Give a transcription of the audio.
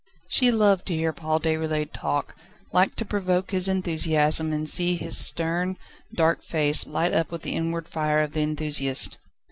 She loved to hear Paul Déroulède talk; liked to provoke his enthusiasm and to see his stern, dark face light up with the inward fire of the enthusiast.